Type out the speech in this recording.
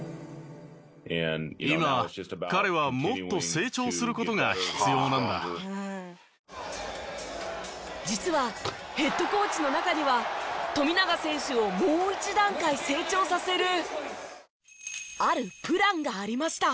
今彼は実はヘッドコーチの中には富永選手をもう一段階成長させるあるプランがありました。